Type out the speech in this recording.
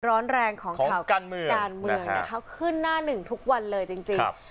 ร้อนแรงของข่าวการเมืองขึ้นหน้านึงทุกวันเลยจริง